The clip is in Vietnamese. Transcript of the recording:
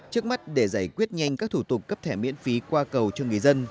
trước mắt để giải quyết nhanh các thủ tục cấp thẻ miễn phí qua cầu cho người dân